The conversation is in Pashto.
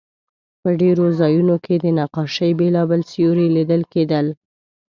په ډېرو ځایونو کې د نقاشۍ بېلابېل سیوري لیدل کېدل.